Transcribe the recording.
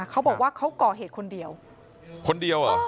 เขาบอกว่าเขาก่อเหตุคนเดียว